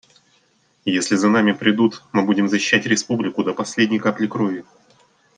Если за нами придут, мы будем защищать Республику до последней капли крови.